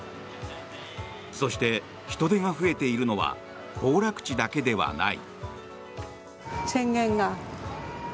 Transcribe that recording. そして、人出が増えているのは行楽地だけではない。